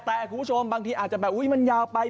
แต่คุณผู้ชมบางทีจะหยาวไป